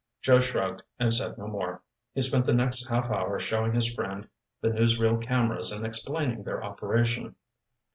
Joe shrugged and said no more. He spent the next half hour showing his friend the newsreel cameras and explaining their operation.